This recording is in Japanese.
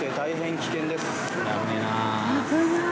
危ない！